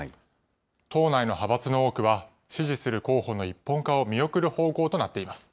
党内の派閥の多くは、支持する候補の一本化を見送る方向となっています。